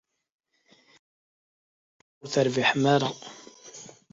Yenna-yi-d Yuba ur terbiḥem ara.